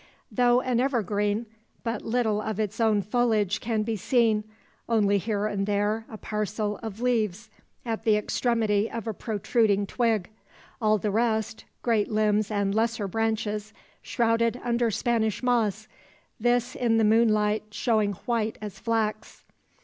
Though an evergreen, but little of its own foliage can be seen, only here and there a parcel of leaves at the extremity of a protruding twig; all the rest, great limbs and lesser branches, shrouded under Spanish moss, this in the moonlight showing white as flax.